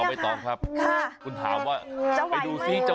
ไม่ไหวค่ะ